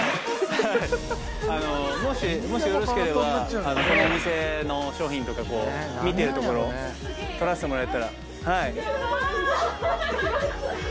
もしよろしければこのお店の商品とか見てるところ撮らせてもらえたら。